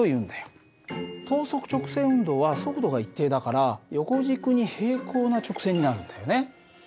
等速直線運動は速度が一定だから横軸に平行な直線になるんだよね。